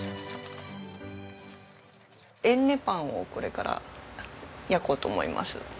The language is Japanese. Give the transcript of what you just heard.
えんねパンをこれから焼こうと思います。